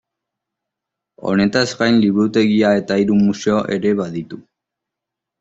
Honetaz gain liburutegia eta hiru museo ere baditu.